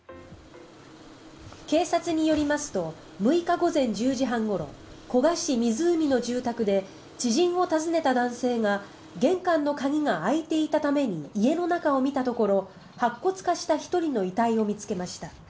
警察によりますと６日午前１０時半ごろ古河市水海の住宅で知人を訪ねた男性が玄関の鍵が開いていたために家の中を見たところ白骨化した１人の遺体を見つけました。